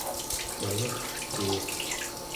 mangagtuuq